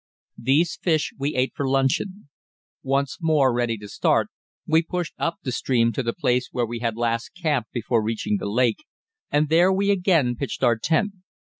These fish we ate for luncheon. Once more ready to start, we pushed up the stream to the place where we had last camped before reaching the lake, and there we again pitched our tent.